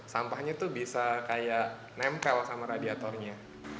sampahnya tuh bisa kayak nempel sama radiatornya